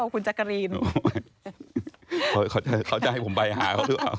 เขาจะให้ผมไปหาเค้าต้องหรือเปล่า